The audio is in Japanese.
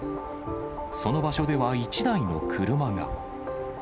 その場所では１台の車が。